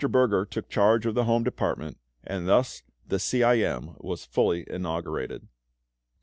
Berger took charge of the home department, and thus the C. I. M. was fully inaugurated.